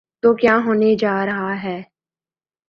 تو کیا ہونے جا رہا ہے؟